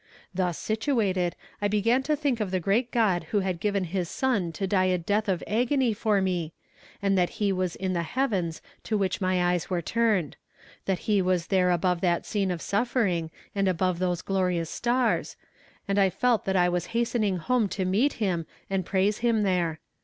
Thus situated, I began to think of the great God who had given His son to die a death of agony for me, and that He was in the heavens to which my eyes were turned; that He was there above that scene of suffering and above those glorious stars; and I felt that I was hastening home to meet Him, and praise Him there.